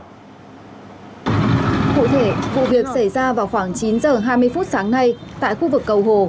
cụ thể vụ việc xảy ra vào khoảng chín h hai mươi phút sáng nay tại khu vực cầu hồ